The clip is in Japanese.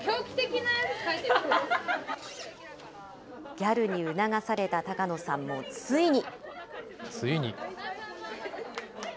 ギャルに促された高野さんもついに。